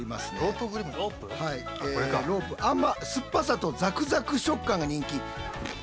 ロープ甘酸っぱさとザクザク食感が人気。